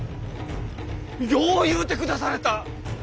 よう言うてくだされた！